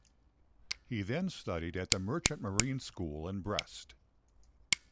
He then studied at the merchant marine school in Brest.